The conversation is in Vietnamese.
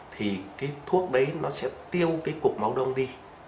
thì cái thuốc đấy nó sẽ tiêu cái cục máu đông đi